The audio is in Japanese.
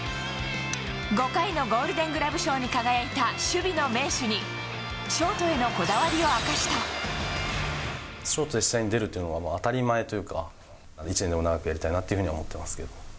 ５回のゴールデングラブ賞に輝いた守備の名手に、ショートへのこショートで試合に出るというのは当たり前というか、１年でも長くやりたいなとは思ってますけど。